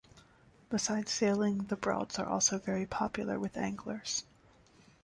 Besides sailing, the broads are also very popular with anglers.